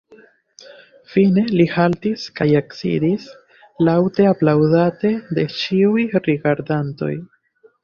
Fine li haltis kaj eksidis, laŭte aplaŭdate de ĉiuj rigardantoj.